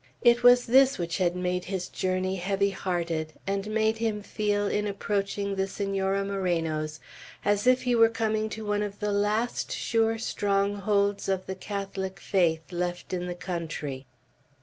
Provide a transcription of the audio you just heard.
It was this which had made his journey heavy hearted, and made him feel, in approaching the Senora Moreno's, as if he were coming to one of the last sure strongholds of the Catholic faith left in the country.